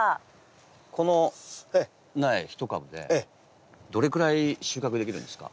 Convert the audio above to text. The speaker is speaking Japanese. この苗１株でどれくらい収穫できるんですか？